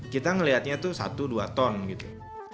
kita melihatnya tuh satu dua ton gitu